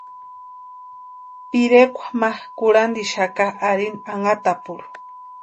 Pirekwa ma kurhantixaka arini anhatapurhu.